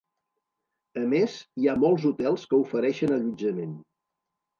A més, hi ha molts hotels que ofereixen allotjament.